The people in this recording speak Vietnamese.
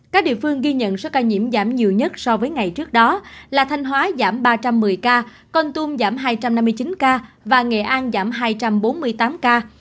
các địa phương ghi nhận số ca nhiễm giảm nhiều nhất so với ngày trước đó là thanh hóa giảm ba trăm một mươi ca con tum giảm hai trăm năm mươi chín ca và nghệ an giảm hai trăm bốn mươi tám ca